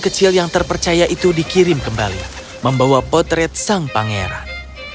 kecil yang terpercaya itu dikirim kembali membawa potret sang pangeran